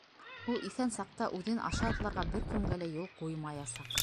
Ул иҫән саҡта үҙен аша атларға бер кемгә лә юл ҡуймаясаҡ!